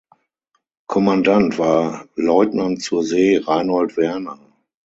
Kommandant war Leutnant zur See Reinhold Werner.